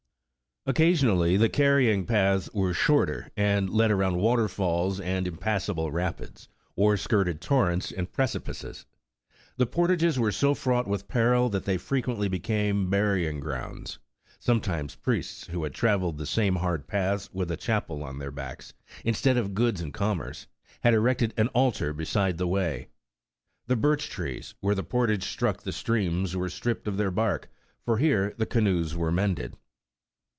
Occasionally the carrying paths were shorter, and led around waterfalls and impassable rapids, or skirted torrents and precipices. The portages were so fraught with peril that they frequently became burying grounds. Sometimes priests, who had traveled the same hard paths with a chapel on their backs, instead of goods of commerce, had erected an altar beside the way. The birch trees, where the portage struck the streams, were stripped of their bark, for here the ca noes were mended.